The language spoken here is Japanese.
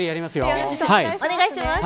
お願いします。